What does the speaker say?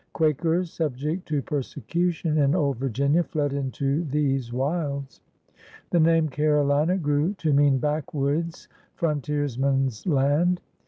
Quakers, subject to persecution in old Virginia, fled into these wilds. The name Carolina grew to mean backwoods, frontiersman's land.